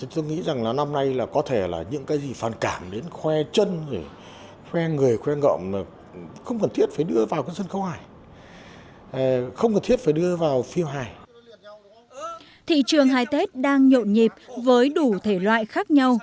thị trường hai tết đang nhộn nhịp với đủ thể loại khác nhau